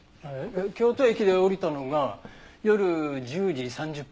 京都駅で降りたのが夜１０時３０分。